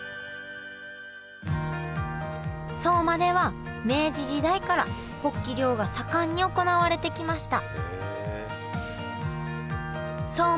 相馬では明治時代からホッキ漁が盛んに行われてきました